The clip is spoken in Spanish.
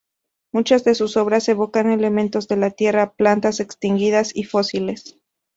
Muchas de sus obras evocan elementos de la tierra, plantas extinguidas y fósiles.